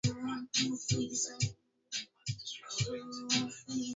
matakwa ya watu wa Ukraine jambo ambalo hawataweza kulifanya